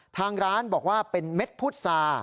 ทางร้านบอกว่าเป็นเม็ดพุษา